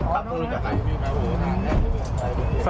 ครับพึ่งรู้จักกัน